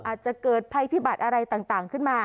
อาจจะเกิดภัยพิบัติอะไรต่างขึ้นมา